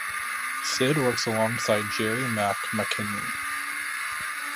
Syd works alongside Jerry "Mack" MacKinley.